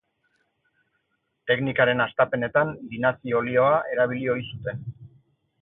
Teknikaren hastapenetan linazi-olioa erabili ohi zuten.